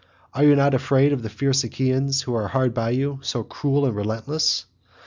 Are you not afraid of the fierce Achaeans who are hard by you, so cruel and relentless?